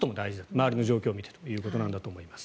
周りの状況を見てということだと思います。